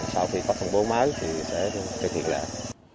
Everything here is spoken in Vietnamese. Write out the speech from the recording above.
sau khi có thông bố mát thì sẽ thực hiện lại